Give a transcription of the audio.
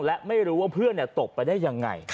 และไม่รู้ว่าเพื่อนตกไปได้ยังไง